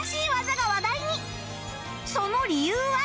その理由は？